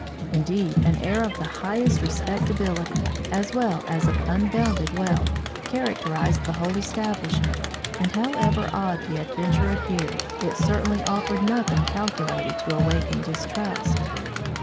Indeed, an air of the highest respectability, as well as of unbounded wealth, characterised the whole establishment; and however odd the adventure appeared, it certainly offered nothing calculated to awaken distrust.